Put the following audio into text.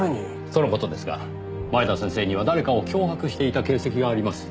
その事ですが前田先生には誰かを脅迫していた形跡があります。